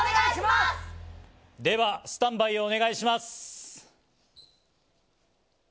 では、スタンバイをお願いします。